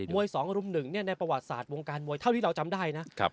มวยสองกระดุมหนึ่งในประวัติศาสตร์โวงการมวยเท่าที่เราจำได้นะ